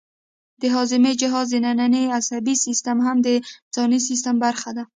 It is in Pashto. د هاضمې جهاز دنننی عصبي سیستم هم د ځانی سیستم برخه ده